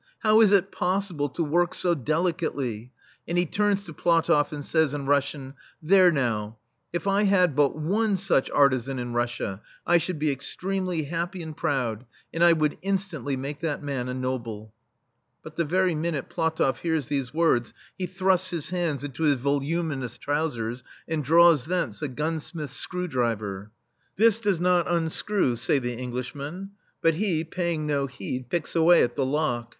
. how is it possible to work so delicately ?" And he turns to PlatofFand says in Russian : "There now, if I had but one such artisan in Russia, I should be extremely happy and proud, and I would instantly make that man a noble/* But the very minute PlatofF hears these words, he thrusts his hands into his voluminous trousers and draws thence a gunsmith's screw driver. "This does not unscrew,'* say the Englishmen. But he, paying no heed, picks away at the lock.